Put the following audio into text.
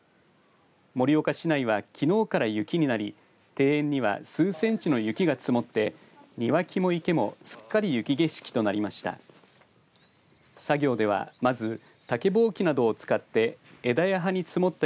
盛岡市内は、きのうから雪になり庭園には数センチの雪が積もって庭木も池もすっかり雪景色となりました。